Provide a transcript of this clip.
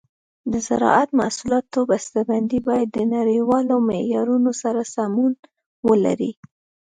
د زراعتي محصولاتو بسته بندي باید د نړیوالو معیارونو سره سمون ولري.